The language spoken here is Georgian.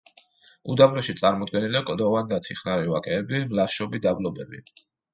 უდაბნოში წარმოდგენილია კლდოვანი და თიხნარი ვაკეები, მლაშობი დაბლობები.